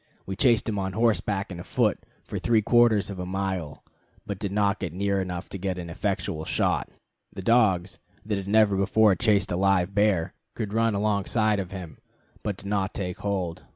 We chased him on horseback and afoot for three quarters of a mile, but did not get near enough to get in an effectual shot. The dogs, that had never before chased a live bear, could run alongside of him, but did not take hold.